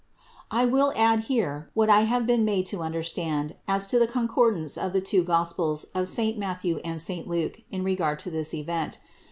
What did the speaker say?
614. I will here add what I have been made to under stand as to the concordance of the two Gospels of saint Matthew and saint Luke in regard to this event.